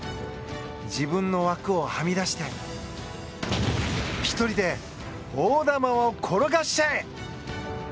自分の枠をはみ出して１人で大玉を転がしちゃえ！